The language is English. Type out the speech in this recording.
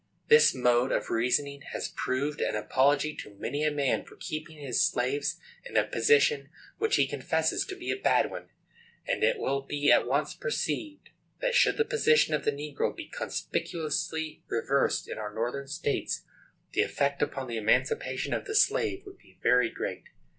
This mode of reasoning has proved an apology to many a man for keeping his slaves in a position which he confesses to be a bad one; and it will be at once perceived that, should the position of the negro be conspicuously reversed in our northern states, the effect upon the emancipation of the slave would be very great.